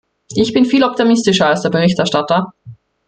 Ich bin viel optimistischer als der Berichterstatter.